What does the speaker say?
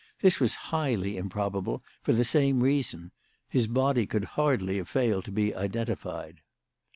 This was highly improbable for the same reason: his body could hardly have failed to be identified.